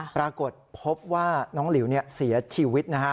ปรากฏพบว่าน้องหลิวเสียชีวิตนะฮะ